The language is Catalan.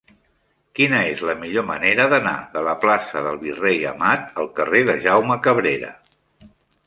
Quina és la millor manera d'anar de la plaça del Virrei Amat al carrer de Jaume Cabrera?